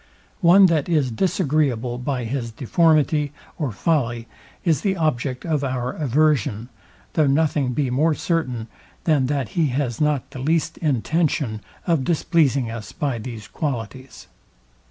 One that is disagreeable by his deformity or folly is the object of our aversion, though nothing be more certain, than that he has not the least intention of displeasing us by these qualities.